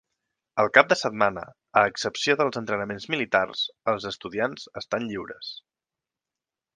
El cap de setmana, a excepció dels entrenaments militars, els estudiants estan lliures.